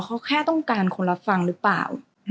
เขาแค่ต้องการคนรับฟังหรือเปล่า